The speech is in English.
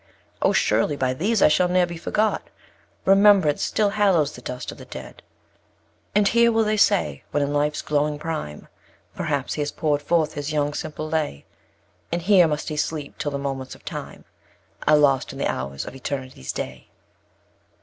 Oh! surely, by these I shall ne'er be forgot; Remembrance still hallows the dust of the dead. 10. And here, will they say, when in Life's glowing prime, Perhaps he has pour'd forth his young simple lay, And here must he sleep, till the moments of Time Are lost in the hours of Eternity's day.